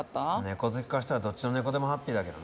猫好きからしたらどっちの猫でもハッピーだけどね。